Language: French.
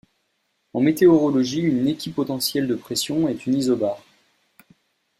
En météorologie, une équipotentielle de pression est une isobare.